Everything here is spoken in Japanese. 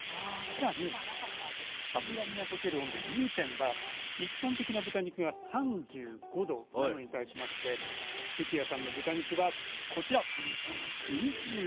さらに脂身が溶ける温度融点は一般的な豚肉が３５℃なのに対しまして関谷さんの豚肉はこちら２８℃でした。